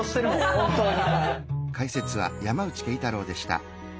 本当に。